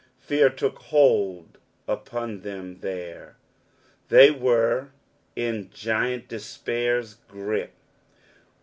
Faar took hold upon them there.''' They were in Giant Despair's grip.